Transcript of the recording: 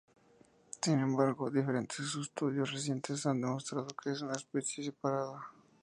Sin embargo, diferentes estudios recientes, han demostrado que es una especie separada.